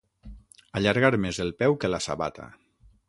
Allargar més el peu que la sabata.